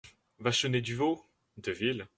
Vachonnet Du Vau … deville !